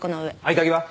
合鍵は？